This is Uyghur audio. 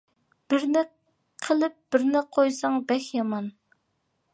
بىرنى قىلىپ بىرنى قويساڭ بەك يامان!